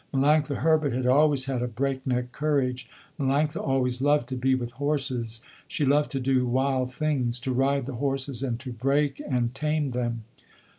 Melanctha Herbert had always had a break neck courage. Melanctha always loved to be with horses; she loved to do wild things, to ride the horses and to break and tame them.